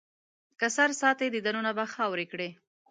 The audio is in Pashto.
که سر ساتې، دیدنونه به خاورې کړي.